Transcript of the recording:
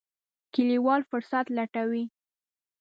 کلیوال فرصت لټوي.